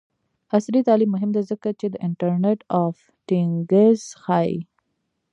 عصري تعلیم مهم دی ځکه چې د انټرنټ آف تینګز ښيي.